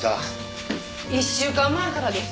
１週間前からです。